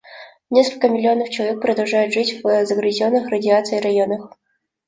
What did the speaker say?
Несколько миллионов человек продолжают жить в загрязнённых радиацией районах.